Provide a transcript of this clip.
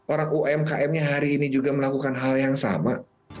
orang umkm nya hari ini juga melakukan hal yang sama